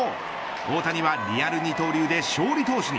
大谷はリアル二刀流で勝利投手に。